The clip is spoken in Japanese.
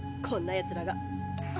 こんなやつらが。